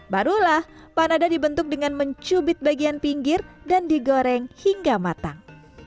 barulah panada dibentuk dengan mencubit bagian pinggir dan digoreng hingga matang